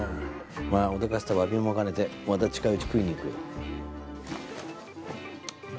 まあ脅かした詫びも兼ねてまた近いうち食いに行くよ。